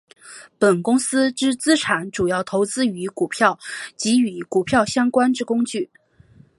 本公司之资产主要投资于股票及与股票相关之工具。